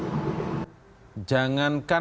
ini sesuatu hal yang tidak boleh diungkapkan